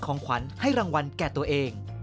ของขวัญให้รางวัลแก่ตัวเอง